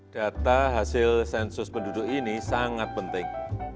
data hasil sensus penduduk ini sangat penting